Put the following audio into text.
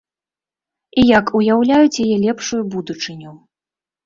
І як уяўляюць яе лепшую будучыню.